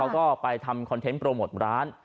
ก็ไปทำคอนเทนต์โปรโมทร้าน